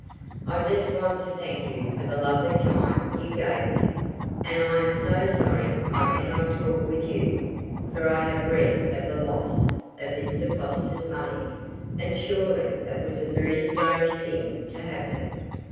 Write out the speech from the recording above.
"I just want to thank you for the lovely time you gave me, and I am so sorry I cannot talk with you, for I have read of the loss of Mr. Foster's money, and surely it was a very strange thing to happen.